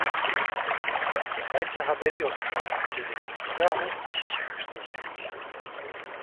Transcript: Belki haberi yoktu, dedim, yahut işi çıkmıştır.